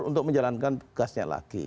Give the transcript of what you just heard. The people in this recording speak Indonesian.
untuk menjalankan tugasnya lagi